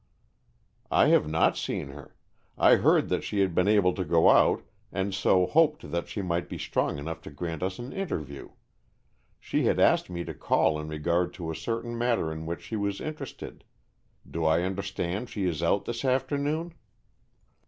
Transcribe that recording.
"I have not seen her. I heard that she had been able to go out, and so hoped that she might be strong enough to grant us an interview. She had asked me to call in regard to a certain matter in which she was interested. Do I understand she is out this afternoon?"